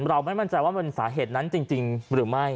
ไม่มั่นใจว่ามันสาเหตุนั้นจริงหรือไม่